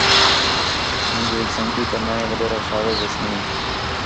میرے ہِک سنڳتی تا ناں ہے وڈیرہ شاہ ویز حسنی